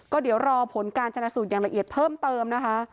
ก็เดี๋ยวรอผลการชนะสูตรอย่างละเอียดเพิ่มเติมนะคะ